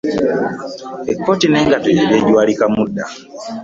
Ekkooti n'engatto yabyejwalikamu dda.